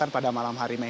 pada malam hari may tiga